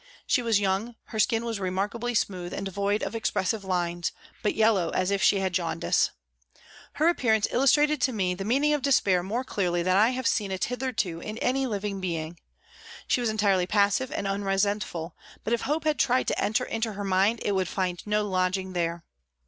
She was young, her skin was remarkably smooth and devoid of expressive lines, but yellow as if she had jaundice. Her appearance illustrated to me the meaning of despair more clearly than I have seen it hitherto in any living being. She was entirely 120 PRISONS AND PRISONERS passive and unresentful, but if hope had tried to enter into her mind it would find no lodging there.